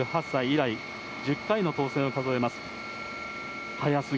以来１０回の当選を数えます。